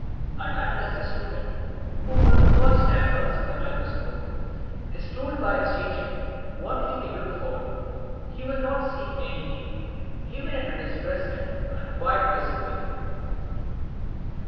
And unless the student who for the first time works with a microscope is told by his teacher what he may look for, he will not see anything, even if it is present and quite visible.